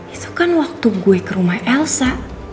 itu kan waktu gue ke rumah elsa